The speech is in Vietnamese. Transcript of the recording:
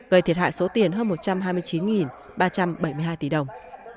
gây thiệt hại số tiền hơn một trăm hai mươi chín ba trăm bảy mươi hai tỷ đồng